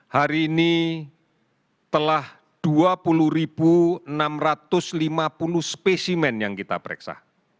hari ini telah dua puluh enam ratus lima puluh spesimen yang kita periksa